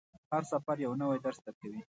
هر سفر یو نوی درس درکوي.